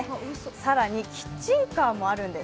更に、キッチンカーもあるんです。